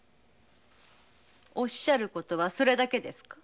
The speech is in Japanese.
おっしゃることはそれだけですか？